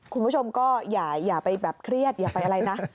คุณผู้ชมก็อย่าไปแบบเครียดอย่าไปอะไรนะ